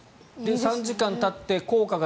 ３時間たって効果が。